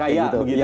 kayak begitu ya